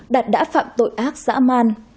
đạt đã phạm tội ác dã man